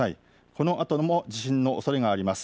このあとも地震のおそれがあります。